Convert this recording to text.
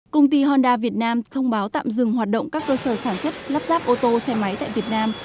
công ty honda việt nam thông báo tạm dừng hoạt động các cơ sở sản xuất lắp ráp ô tô xe máy tại việt nam